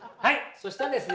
そしたらですね